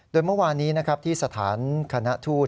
โดยเมื่อวานนี้ที่สถานคณะทูต